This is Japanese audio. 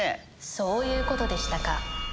そういうことでしたか